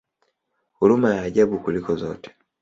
Huruma ya ajabu kuliko zote!